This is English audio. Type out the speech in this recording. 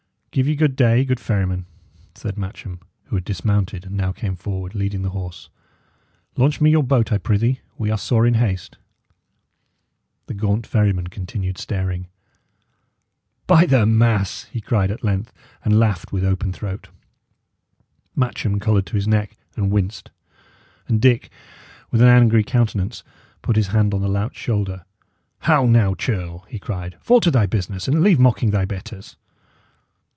"Give ye good day, good ferryman," said Matcham, who had dismounted, and now came forward, leading the horse. "Launch me your boat, I prithee; we are sore in haste." The gaunt ferryman continued staring. "By the mass!" he cried at length, and laughed with open throat. Matcham coloured to his neck and winced; and Dick, with an angry countenance, put his hand on the lout's shoulder. "How now, churl!" he cried. "Fall to thy business, and leave mocking thy betters."